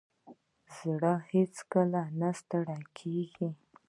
زړه هیڅکله ستړی نه کېږي.